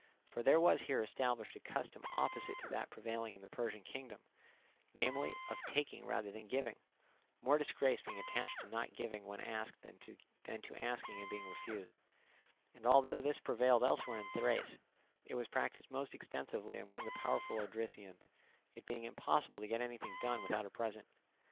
For there was here established a custom opposite to that prevailing in the Persian kingdom, namely, of taking rather than giving; more disgrace being attached to not giving when asked than to asking and being refused; and although this prevailed elsewhere in Thrace, it was practised most extensively among the powerful Odrysians, it being impossible to get anything done without a present.